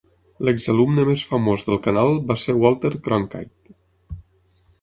L'exalumne més famós del canal va ser Walter Cronkite.